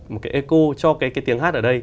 một cái echo cho cái tiếng hát ở đây